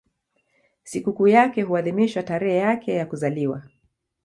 Sikukuu yake huadhimishwa tarehe yake ya kuzaliwa.